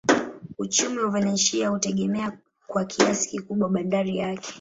Uchumi wa Valencia hutegemea kwa kiasi kikubwa bandari yake.